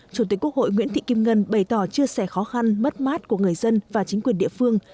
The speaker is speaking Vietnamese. chủ tịch quốc hội nguyễn thị kim ngân bày tỏ chia sẻ khó khăn mất mát của người dân và chính quyền địa phương